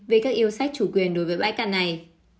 về các yêu sách chủ quyền đối với bãi cạn này